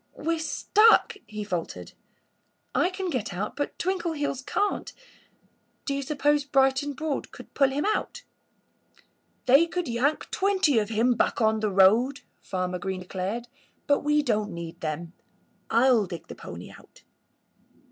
"We're stuck!" he faltered. "I can get out; but Twinkleheels can't. Do you suppose Bright and Broad could pull him out?" "They could yank twenty of him back on the road," Farmer Green declared. "But we don't need them. I'll dig the pony out."